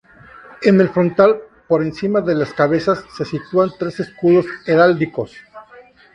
En el frontal, por encima de las cabezas, se sitúan tres escudos heráldicos.